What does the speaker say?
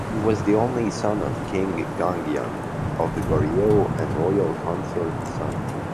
He was the only son of King Gongyang of Goryeo and Royal Consort Sun.